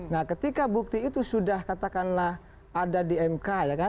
nah ketika bukti itu sudah katakanlah ada di mk